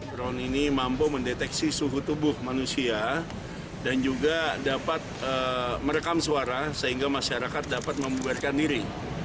drone ini mampu mendeteksi suhu tubuh manusia dan juga dapat merekam suara sehingga masyarakat dapat membuarkan diri